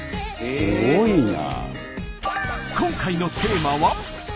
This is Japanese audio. すごいな。